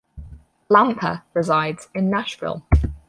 Lampa resides in Nashville.